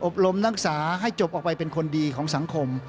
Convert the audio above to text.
ลมนักศึกษาให้จบออกไปเป็นคนดีของสังคม